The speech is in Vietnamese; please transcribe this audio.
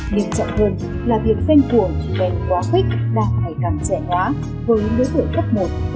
điều chậm hơn là việc fan cuồng trình bày quá khích đã phải càng trẻ hóa với những đối tượng cấp một cấp hai